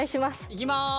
いきます。